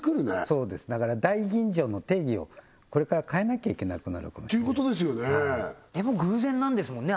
そうですだから大吟醸の定義をこれから変えなきゃいけなくなるかもしれないでも偶然なんですもんね